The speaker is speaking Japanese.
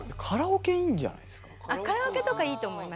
あっカラオケとかいいと思います。